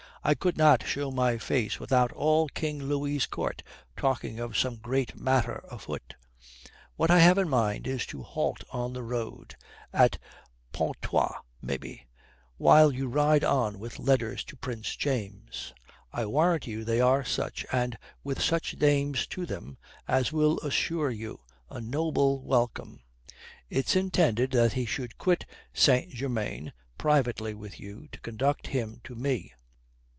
I could not show my face without all King Louis's court talking of some great matter afoot. What I have in mind is to halt on the road at Pontoise maybe while you ride on with letters to Prince James. I warrant you they are such, and with such names to them, as will assure you a noble welcome. It's intended that he should quit St. Germain privately with you to conduct him to me.